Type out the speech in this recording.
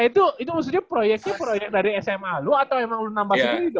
eh itu maksudnya proyeknya proyek dari sma lo atau emang lo nambah sendiri do